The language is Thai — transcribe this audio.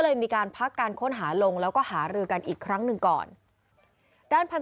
มีการพักการค้นหาลงแล้วก็หารือกันอีกครั้งหนึ่งก่อนด้านพันธ